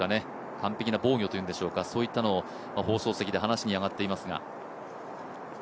完璧な防御というんでしょうかそういったのが話に上がっていますが。